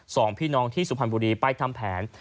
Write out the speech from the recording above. สองพี่น้องที่สุพรรณบุรีไปทำแผน